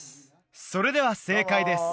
それでは正解です